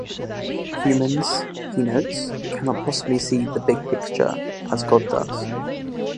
Humans, he notes, cannot possibly see "the big picture" as God does.